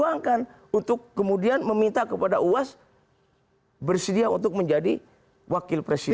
kita pun akan perjuangkan untuk kemudian meminta kepada uas bersedia untuk menjadi wakil presiden